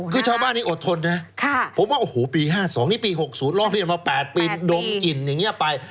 คือชาวบ้านนี้อดทนนะผมว่าโอ้โหปี๕๒นี่ปี๖๐ร้องเรียนมา๘ปีดมกลิ่นอย่างนี้ไป